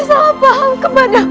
salah paham kepadamu